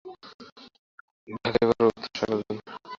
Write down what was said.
ঢাকার এই বাছাইপর্ব উতরে আমরা আশা করছি চূড়ান্ত পর্বে যেতে পারব।